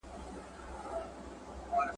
زما پر خاوره زېږېدلی بیرغ غواړم ,